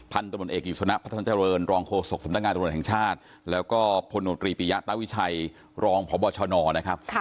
พันธุรกิจสุนัขพระท่านเจริญรองโฆษกสำนักงานสำหรับโรงแห่งชาติแล้วก็พลโนตรีปียะตะวิชัยรองพบชนนะครับ